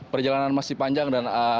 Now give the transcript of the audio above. perjalanan masih panjang dan